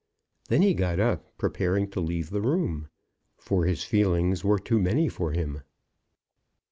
Then he got up, preparing to leave the room, for his feelings were too many for him.